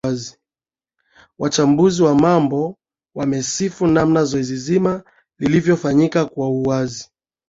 wachambuzi wa mambo wamesifu namna zoezi zima lilivyofanyika kwa uwazi